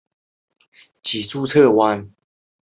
广西贺县人。